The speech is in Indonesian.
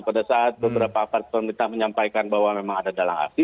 pada saat beberapa part time kita menyampaikan bahwa memang ada dalam aksi